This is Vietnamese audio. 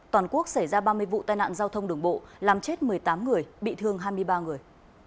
toàn quốc xảy ra ba mươi vụ tai nạn giao thông đường bộ làm chết một mươi tám người bị thương hai mươi ba người